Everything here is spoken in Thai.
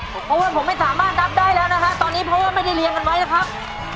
เพราะว่าผมไม่สามารถนับได้แล้วนะฮะตอนนี้เพราะว่าไม่ได้เรียงกันไว้นะครับ